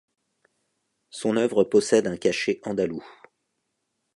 Son œuvre possède un cachet andalous.